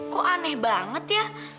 kok aneh banget ya